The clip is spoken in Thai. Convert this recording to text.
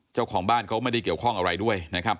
เจ้าของบ้านเขาไม่ได้เกี่ยวข้องอะไรด้วยนะครับ